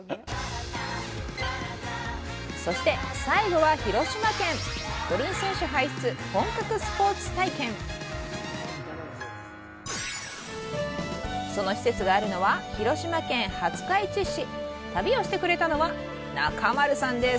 そして最後は広島県その施設があるのは広島県廿日市市旅をしてくれたのは中丸さんです